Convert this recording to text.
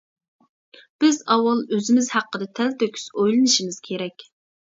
بىز ئاۋۋال ئۆزىمىز ھەققىدە تەلتۆكۈس ئويلىنىشىمىز كېرەك.